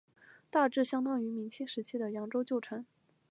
大致相当于明清时期的扬州旧城。